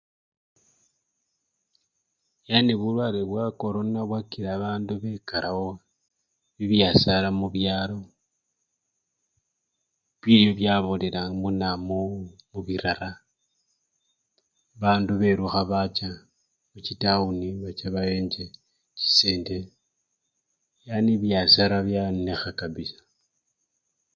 Yani bulwale bwa corona bwakila babandu bekalawo bibyasara musyalo, bilyo bya bolela muna! mubirara, bandu belukha bacha muchitawuni bache bawenje chisende, yani bibyasara byonekha kabisa.